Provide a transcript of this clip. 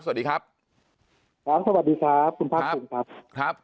สวัสดีครับคุณภาคภูมิครับ